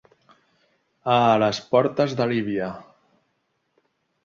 A les portes de Líbia.